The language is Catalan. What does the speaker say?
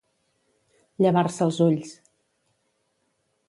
Llevar-se els ulls.